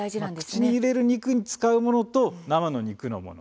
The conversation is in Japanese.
口に入れる肉に使うものと生の肉のもの